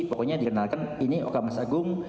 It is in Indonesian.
pokoknya dikenalkan ini oka masyagung